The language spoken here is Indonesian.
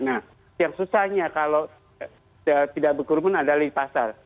nah yang susahnya kalau tidak berkerumun adalah di pasar